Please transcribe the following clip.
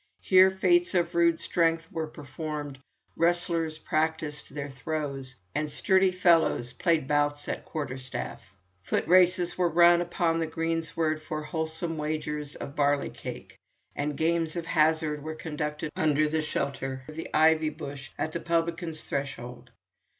Here feats of rude strength were performed, wrestlers practised their throws, and sturdy fellows played bouts at quarter staff. Foot races were run upon the greensward for wholesome wagers of barley cake, and games of hazard were conducted under the shelter of the ivy bush at the publican's threshold.